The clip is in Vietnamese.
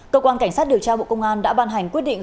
cơ quan cảnh sát điều tra bộ công an đã ban hành quyết định